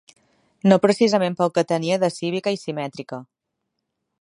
No precisament pel que tenia de cívica i simètrica